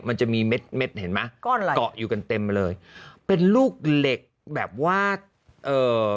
มันจะมีเม็ดเม็ดเห็นไหมก็อยู่กันเต็มเลยเป็นลูกเหล็กแบบว่าเอ่อ